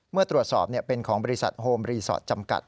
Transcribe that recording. เมื่อตรวจสอบเป็นของบริษัทโฮมรีสอร์ทจำกัด